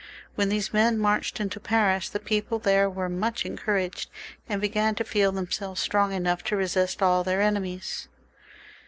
When these men marched into Paris, the people there were much encouraged, and began to feel themselves strong enough to resist aU. their enemies.